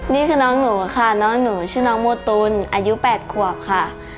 นี่คือน้องหนูค่ะน้องหนูชื่อน้องโมตุลอายุ๘ขวบค่ะ